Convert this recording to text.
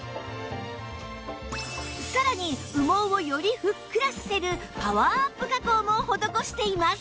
さらに羽毛をよりふっくらさせるパワーアップ加工も施しています